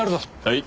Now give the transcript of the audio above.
はい。